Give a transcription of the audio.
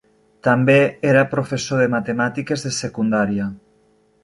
També era professor de matemàtiques de secundària.